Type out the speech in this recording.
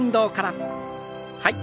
はい。